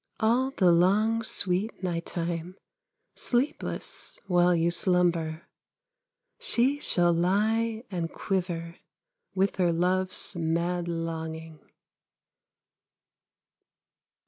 All the long sweet night time, Sleepless while you slumber, She shall lie and quiver With her love's mad longing.